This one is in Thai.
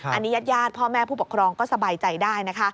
อันนี้ญาติพ่อแม่ผู้ปกครองก็สบายใจได้นะคะ